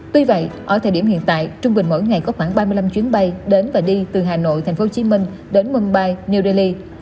tuy vậy ở thời điểm hiện tại trung bình mỗi ngày có khoảng ba mươi năm chuyến bay đến và đi từ hà nội tp hcm đến mumbai new delhi